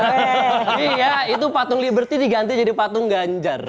tapi ya itu patung liberty diganti jadi patung ganjar